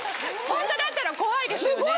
ホントだったら怖いですよね。